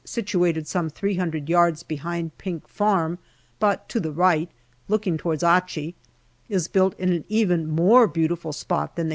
situated some three hundred yards behind Pink Farm, but to the right, looking towards Achi, is built in an even more beautiful spot than the H.